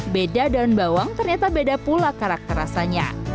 beda daun bawang ternyata beda pula karakter rasanya